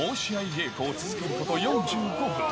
稽古を続けること４５分。